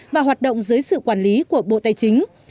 và hoạt động dưới sự quản lý của bộ tài chính